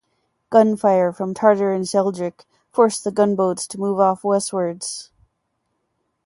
Gunfire from "Tartar" and "Sheldrake" forced the gunboats to move off westwards.